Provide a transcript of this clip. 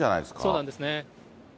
そうなんですね。